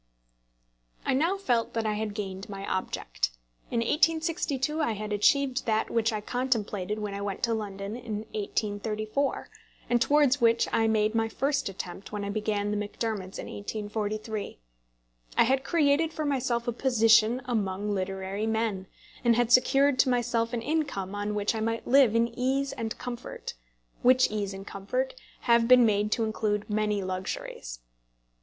I now felt that I had gained my object. In 1862 I had achieved that which I contemplated when I went to London in 1834, and towards which I made my first attempt when I began the Macdermots in 1843. I had created for myself a position among literary men, and had secured to myself an income on which I might live in ease and comfort, which ease and comfort have been made to include many luxuries.